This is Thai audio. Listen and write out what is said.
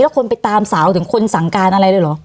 คนไปตามสาวถึงคนสั่งการอะไรเลยเหรอ